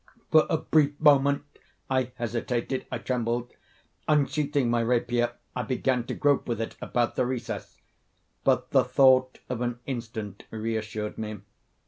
For a brief moment I hesitated—I trembled. Unsheathing my rapier, I began to grope with it about the recess; but the thought of an instant reassured me.